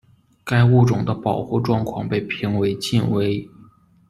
该物种的保护状况被评为近危。